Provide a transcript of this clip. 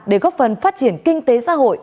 để góp phần phát triển kinh tế xã hội